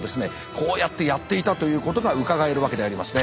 こうやってやっていたということがうかがえるわけでありますね。